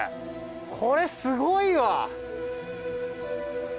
これすごいわ！